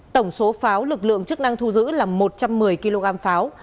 tổng số pháo lực lượng chức năng thu giữ là một trăm một mươi kg pháo